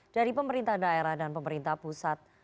dari pemerintah daerah dan pemerintah pusat